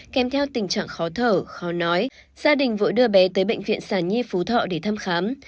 kèm theo tình trạng khó thở khó nói gia đình vợ đưa bé tới bệnh viện sản nhi phú thọ để thăm khám